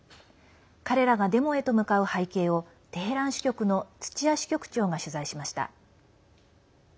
彼らがデモへと向かう背景をテヘラン支局の土屋支局長が取材しました。